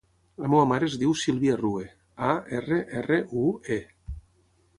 La meva mare es diu Sílvia Arrue: a, erra, erra, u, e.